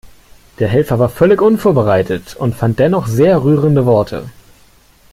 Der Helfer war völlig unvorbereitet und fand dennoch sehr rührende Worte.